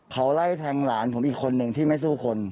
เขาไล่แทงหลานผมอีกคนนึงที่ไม่สู้คน